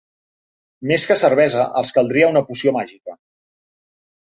Més que cervesa, els caldria una poció màgica.